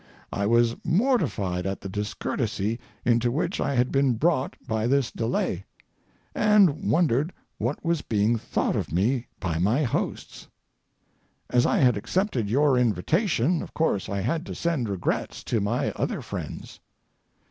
I was mortified at the discourtesy into which I had been brought by this delay, and wondered what was being thought of me by my hosts. As I had accepted your invitation, of course I had to send regrets to my other friends.